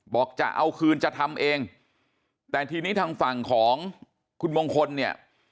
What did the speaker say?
บอกจะเอาคืนจะทำเองแต่ทีนี้ทางฝั่งของคุณมงคลเนี่ย